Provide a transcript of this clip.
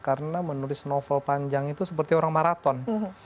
karena menulis novel panjang itu seperti orang maraton